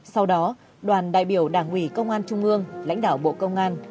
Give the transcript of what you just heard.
sau đó đoàn đại biểu đảng ủy công an trung ương lãnh đạo bộ công an